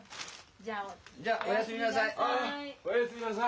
じゃあおやすみなさい。